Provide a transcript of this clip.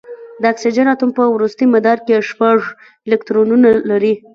د اکسیجن اتوم په وروستي مدار کې شپږ الکترونونه لري.